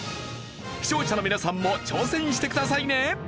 視聴者の皆さんも挑戦してくださいね。